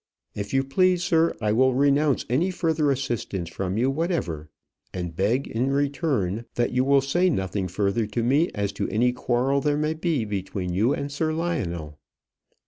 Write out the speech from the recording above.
If you please, sir, I will renounce any further assistance from you whatever; and beg, in return, that you will say nothing further to me as to any quarrel there may be between you and Sir Lionel."